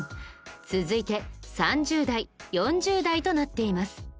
続いて３０代４０代となっています。